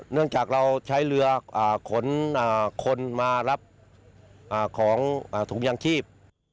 เนื่องจากเราใช้เรือขนคนมารับของถุงยางชีพ